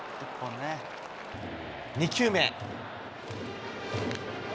２球目。